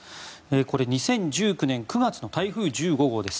これ、２０１９年９月の台風１５号です。